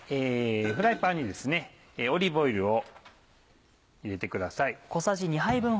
フライパンにオリーブオイルを入れてください。